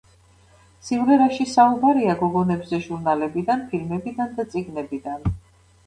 სიმღერაში საუბარია გოგონებზე ჟურნალებიდან, ფილმებიდან და წიგნებიდან.